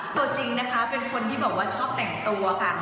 ตัวจริงนะคะเป็นคนที่บอกว่าชอบแต่งตัวค่ะ